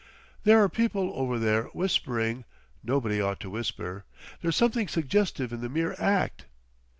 There're people over there whispering! Nobody ought to whisper!—There's something suggestive in the mere act!